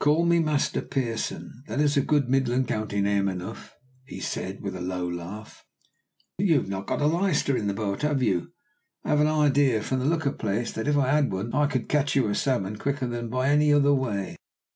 "Call me Master Pearson; that is a good midland county name enough," he said with a low laugh. "You have not got a leister in the boat, have you? I have an idea, from the look of the place, that if I had one, I could catch you a salmon quicker than by any other way."